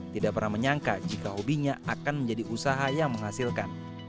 tidak pernah menyangka jika hobinya akan menjadi usaha yang menghasilkan